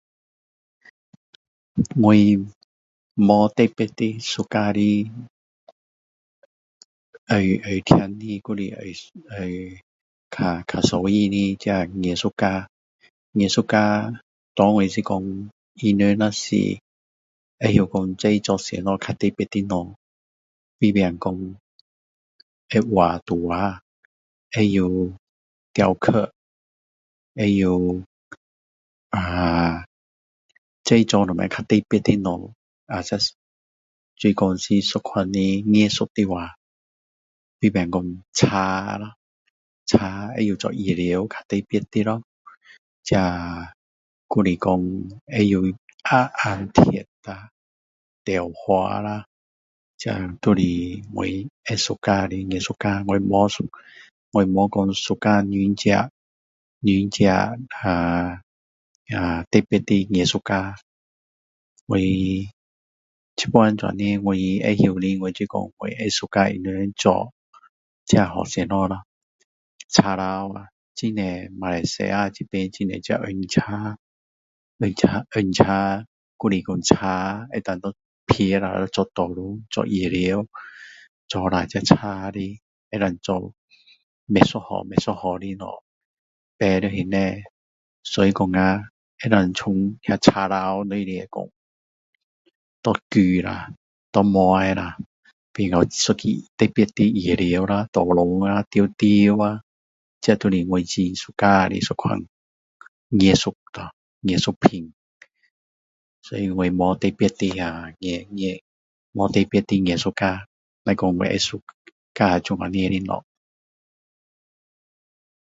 我没有特别的一家的爱停的还是比较兴趣的艺术家这艺术家给我是说他们若是知道要做什么特别的东西比如说会画画会雕刻会啊随便做什么较特别的东西啊就是说是一种的艺术的话比如说木咯木可以做椅子较特别的咯这还是说知道焊铁啦雕花啦这都是我会喜欢的艺术家我没有说特别的艺术家我现在这样我知道的就是说我会喜欢他们做这叫什么啦木头啊很多马来西亚很多这红木红木销一下可以做桌子椅子做了这木的可以做不一样不一样的东西摆在那边所以说啊可以从木头里面能够说拿来据一下拿来磨下变成一个特别的桌子啊椅子啊橱橱啊这都是我很喜欢的一种艺术咯艺术品所以我没有特别的艺术家艺术家只是我会喜欢这样的东西